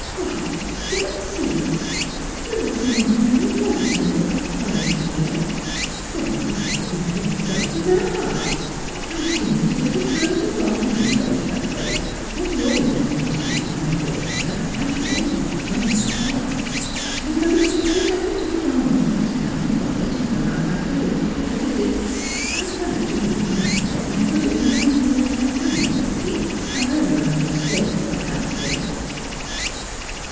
' What, Dulcie 1 Dulcie not marry Morton 1 ' cried Mrs. Jebb. ' Why, it would break both of their hearts. I've seen them together times and often, you know, Shafto, for she always asks me to tea when I call upon her, and she always returns my call. And though it's a great effort to put on one's best gown and bonnet and go out like a lady to pay a visit, I like to do it now and then, because it reminds me that I am a lady, however I may slave at the house work.'